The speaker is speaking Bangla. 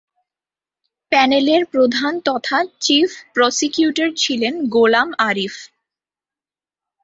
প্যানেলের প্রধান তথা চিফ প্রসিকিউটর ছিলেন গোলাম আরিফ।